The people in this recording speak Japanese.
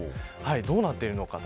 どうなっているのか。